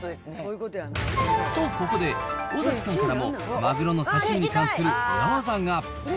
と、ここで尾崎さんからも、マグロの刺身に関する裏技が。